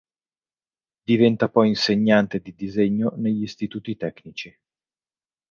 Diventa poi insegnante di Disegno negli Istituti tecnici.